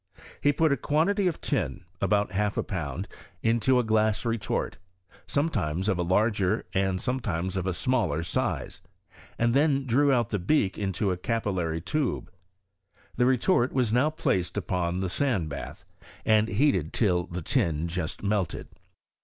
He put a qnantityof tin (about half a pound) into a glass retort, some times of a lai^er and sometimes of a smaller sim, and then drew out the beak > into a capillary tube. The retort was now placed upon the sand baUi, and heated till the tin just melted.